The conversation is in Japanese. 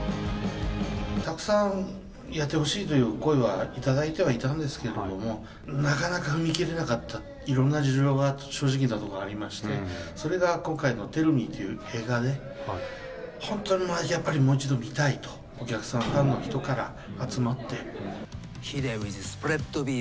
たくさんやってほしいという声は頂いてはいたんですけども、なかなか踏み切れなかった、いろんな事情が正直なところありまして、それが今回のＴＥＬＬＭＥという映画で、本当にやっぱりもう一度見たいと、お客さん、ファンの人から集まって。